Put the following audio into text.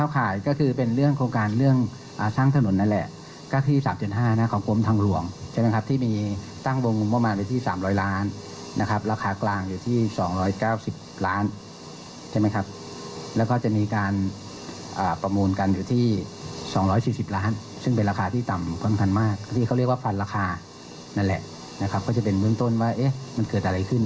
ที่เขาเรียกว่าฟันราคานั่นแหละนะครับก็จะเป็นเมืองต้นว่าเอ๊ะมันเกิดอะไรขึ้น